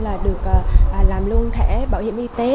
là được làm luôn thẻ bảo hiểm y tế